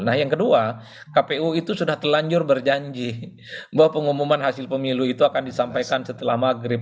nah yang kedua kpu itu sudah telanjur berjanji bahwa pengumuman hasil pemilu itu akan disampaikan setelah maghrib